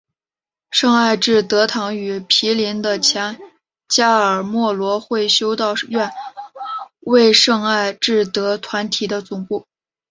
圣艾智德堂与毗邻的前加尔默罗会修道院为圣艾智德团体的总部。